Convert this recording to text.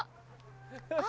あ！